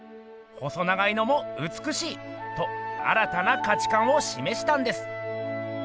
「細長いのもうつくしい！」と新たな価値観をしめしたんです。